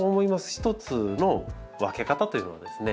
一つの分け方というのはですね